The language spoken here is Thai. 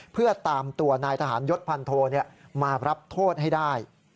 เพื่อตามตัวนายทหารยศพันโทมารับโทษให้ได้